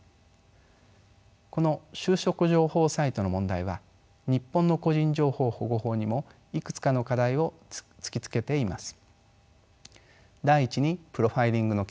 この就職情報サイトの問題は日本の個人情報保護法にもいくつかの課題を突きつけています。